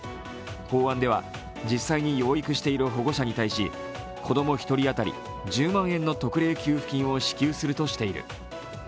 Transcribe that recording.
法案では、実際に養育している保護者に対し子供１人当たり１０万円の特例給付金を支給するとしている。